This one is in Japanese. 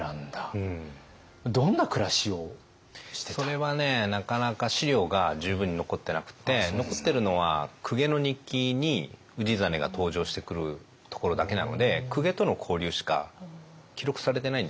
それはねなかなか史料が十分に残ってなくて残ってるのは公家の日記に氏真が登場してくるところだけなので公家との交流しか記録されてないんですね。